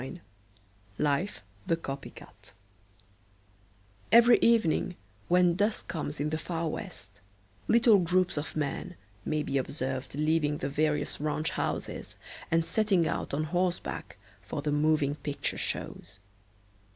XXIX LIFE, THE COPY CAT Every evening when dusk comes in the Far West, little groups of men may be observed leaving the various ranch houses and setting out on horseback for the moving picture shows.